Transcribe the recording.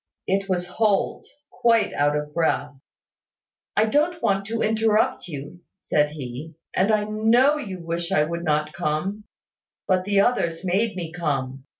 It was Holt, quite out of breath. "I don't want to interrupt you," said he, "and I know you wish I would not come; but the others made me come.